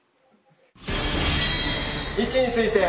・位置について。